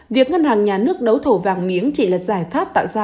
việc ngân hàng nhà nước đấu thầu vàng miếng chỉ là giải pháp tạo ra